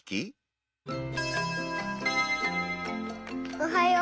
おはよう。